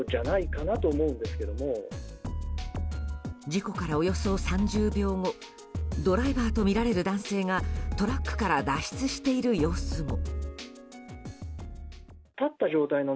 事故からおよそ３０秒後ドライバーとみられる男性がトラックから脱出している様子も。